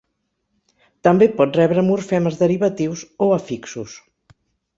També pot rebre morfemes derivatius o afixos.